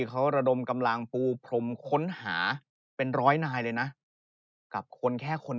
เขาระดมกำลังปูพรมค้นหาเป็นร้อยนายเลยนะเกี่ยวกับคนแค่คน